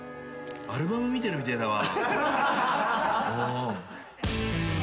アルバム見てるみてえだわ。